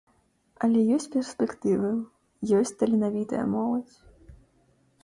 Але ёсць перспектывы, ёсць таленавітая моладзь.